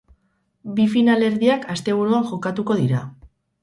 Bi finalerdiak asteburuan jokatuko dira.